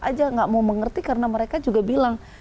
aja nggak mau mengerti karena mereka juga bilang